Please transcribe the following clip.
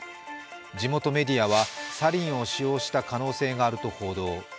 地元メディアはサリンを使用した可能性があると報道。